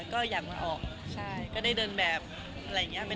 ก็อยากมาออกใช่ก็ได้เดินแบบอะไรอย่างนี้